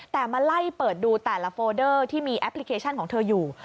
แต่มาไล่เปิดดูแต่ละโฟเดอร์ที่มีแอปพลิเคชันของเธออยู่